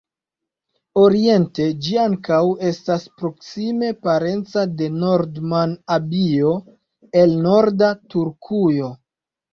Oriente ĝi ankaŭ estas proksime parenca de Nordman-abio el norda Turkujo.